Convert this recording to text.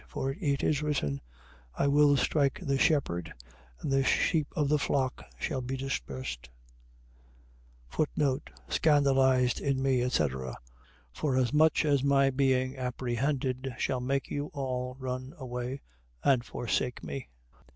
For it is written: I will strike the shepherd: and the sheep of the flock shall be dispersed. Scandalized in me, etc. . .Forasmuch as my being apprehended shall make you all run away and forsake me.